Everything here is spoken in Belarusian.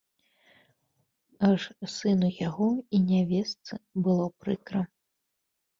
Аж сыну яго і нявестцы было прыкра.